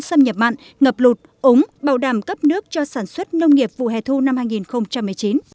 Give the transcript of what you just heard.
xâm nhập mạng ngập lụt ống bảo đảm cấp nước cho sản xuất nông nghiệp vụ hệ thu năm hai nghìn một mươi chín